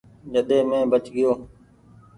جڏي مينٚ بچ گيو